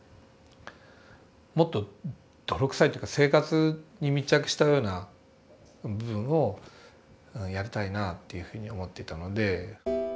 もっと泥臭いというか生活に密着したような部分をやりたいなというふうに思っていたので。